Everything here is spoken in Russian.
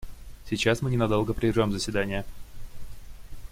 Сейчас мы ненадолго прервем заседание.